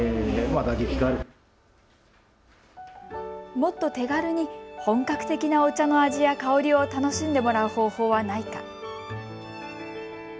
もっと手軽に本格的なお茶の味や香りを楽しんでもらう方法はないか。